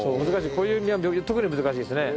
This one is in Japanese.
こういう身は特に難しいですね。